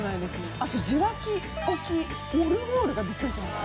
あと受話器置きオルゴールがビックリしました。